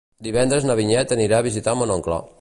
Divendres na Vinyet anirà a visitar mon oncle.